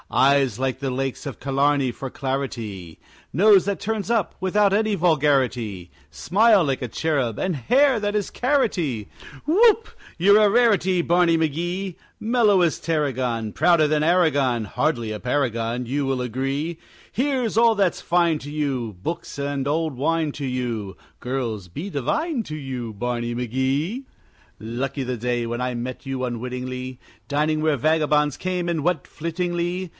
Eyes like the lakes of Killarney for clarity, Nose that turns up without any vulgarity, Smile like a cherub, and hair that is carroty Whoop, you're a rarity, Barney McGee! Mellow as Tarragon, Prouder than Aragon Hardly a paragon, You will agree Here's all that's fine to you! Books and old wine to you! Girls be divine to you, Barney McGee! Lucky the day when I met you unwittingly, Dining where vagabonds came and went flittingly.